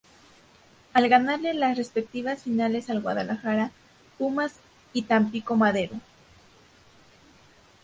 Al ganarle las respectivas finales al Guadalajara, Pumas y Tampico-Madero.